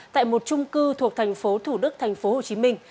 tại một trung cư thuộc thành phố thủ đức thành phố hồ chí minh